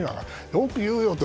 よく言うよって。